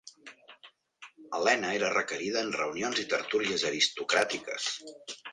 Elena era requerida en reunions i tertúlies aristocràtiques.